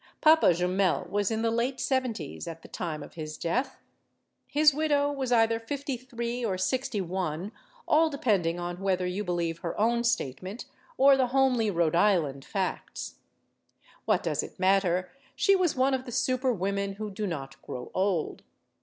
Papa Jumel was in the late seventies at the time of his death. His widow was either fifty three or sixty one all depending on whether you believe her own statement or the homely Rhode Island facts. What 104 STORIES OF THE SUPER WOMEN does it matter? She was one of the super women who do not grow old.